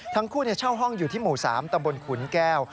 ทั้งคู่เช่าห้องอยู่ที่หมู่๓ตำบลขุนแก้ว